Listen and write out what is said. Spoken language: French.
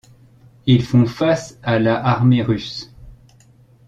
Ils font face à la armée russe.